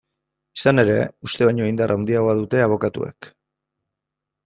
Izan ere, uste baino indar handiagoa dute abokatuek.